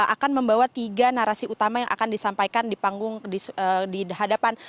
akan membawa tiga narasi utama yang akan disampaikan di panggung di hadapan